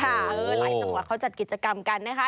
หลายจังหวัดเขาจัดกิจกรรมกันนะคะ